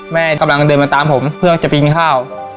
แม่กำลังเดินมาตามผมเพื่อจะไปกินข้าว